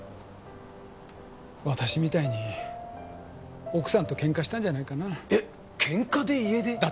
私みたいに奥さんとケンカしたんじゃないかなえっケンカで家出？